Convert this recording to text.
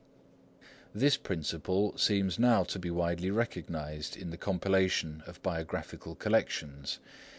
This principle seems now to be widely recognised in the compilation of biographical collections.